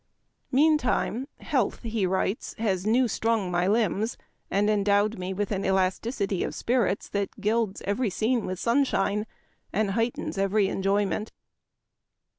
Meantime " health," he writes, "has new strung my limbs, and en dowed me with an elasticity of spirits that gilds every scene with sunshine, and heightens every enjoyment."